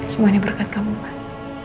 semuanya berkat kamu mas